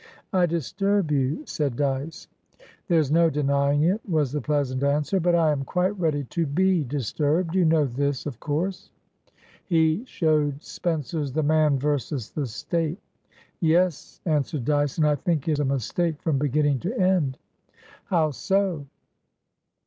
"I disturb you," said Dyce. "There's no denying it," was the pleasant answer, "but I am quite ready to be disturbed. You know this, of course?" He showed Spencer's "The Man versus the State." "Yes," answered Dyce, "and I think it a mistake from beginning to end." "How so?"